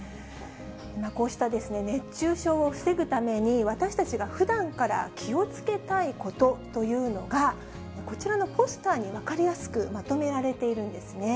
こうした熱中症を防ぐために、私たちがふだんから気をつけたいことというのが、こちらのポスターに分かりやすくまとめられているんですね。